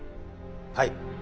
はい。